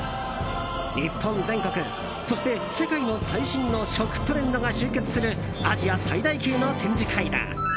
日本全国、そして世界の最新の食トレンドが集結するアジア最大級の展示会だ。